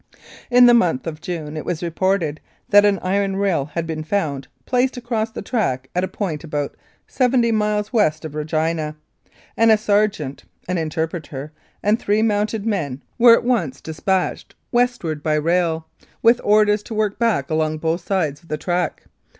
In the month of June it was reported that an iron rail had been found placed across the track at a point about seventy miles west of Regina, and a sergeant, an interpreter, and three mounted men were at once dis 19 Mounted Police Life in Canada patched westward by rail, with orders to work back along both sides of the track.